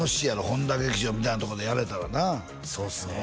本多劇場みたいなとこでやれたらなそうですね